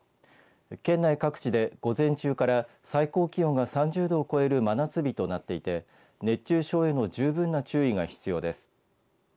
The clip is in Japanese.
県内各地で午前中から最高気温が３０度を超える真夏日となっていて熱中症への十分な注意が必要です。